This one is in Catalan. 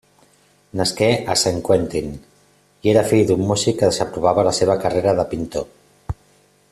Nasqué a Saint-Quentin, i era fill d'un músic que desaprovava la seva carrera de pintor.